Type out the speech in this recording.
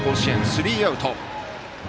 スリーアウト。